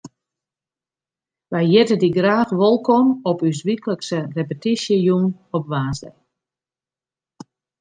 Wy hjitte dy graach wolkom op ús wyklikse repetysjejûn op woansdei.